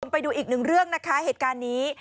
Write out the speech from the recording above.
ไปดูอีกหนึ่งเรื่องนะคะเหตุการณ์นี้